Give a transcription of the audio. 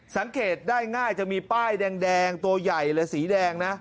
สังเกตได้ง่ายจะมีป้ายแดงตัวใหญ่หรือสีแดงนะ